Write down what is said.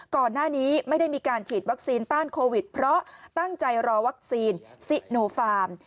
ก่อนหน้านี้ไม่ได้มีการฉีดวัคซีนต้านโควิดเพราะตั้งใจรอวัคซีนซิโนฟาร์ม